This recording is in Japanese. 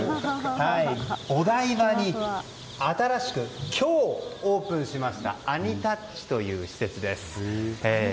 お台場に新しく、今日オープンしましたアニタッチという施設です。